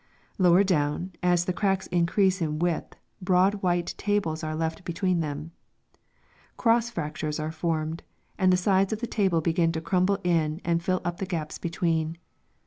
Lower down, as the cracks increase in width, broad white tables are left between them. Cross fractures are formed, and the sides of the table begin to crumble in and fill up the gaps between.